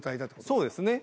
そうですね。